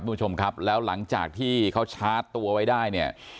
คุณผู้ชมครับแล้วหลังจากที่เขาชาร์จตัวไว้ได้เนี่ย